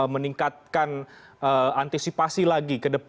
meningkatkan antisipasi lagi